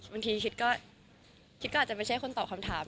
บางทีคิดก็คิดก็อาจจะไม่ใช่คนตอบคำถาม